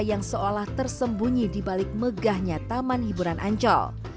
yang seolah tersembunyi di balik megahnya taman hiburan ancol